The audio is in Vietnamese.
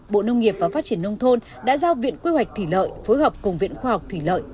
bộ nông nghiệp và phát triển nông thôn đã giao viện quy hoạch thủy lợi phối hợp cùng viện khoa học thủy lợi